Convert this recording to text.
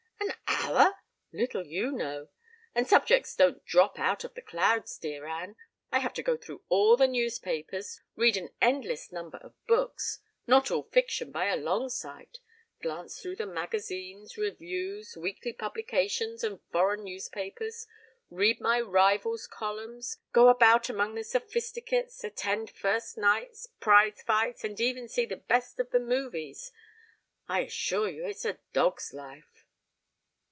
"An hour! Little you know. And subjects don't drop out of the clouds, dear Anne. I have to go through all the newspapers, read an endless number of books not all fiction by a long sight glance through the magazines, reviews, weekly publications and foreign newspapers, read my rivals' columns, go about among the Sophisticates, attend first nights, prize fights, and even see the best of the movies. I assure you it's a dog's life."